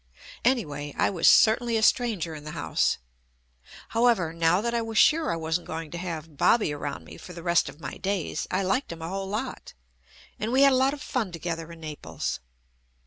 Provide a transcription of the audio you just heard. Anyway, I was certainly a stranger in the house. However, now that I was sure I wasn't going to have "Bobby" around me for the rest of my days, I liked him a whole lot, and we had a lot of fun together in Naples.